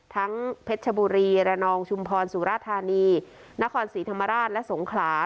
เพชรชบุรีระนองชุมพรสุราธานีนครศรีธรรมราชและสงขลา